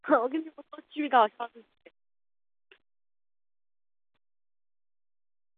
南北朝时代到室町时代屡屡发生的国一揆就是国人领主的结合。